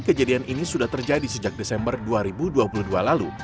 kejadian ini sudah terjadi sejak desember dua ribu dua puluh dua lalu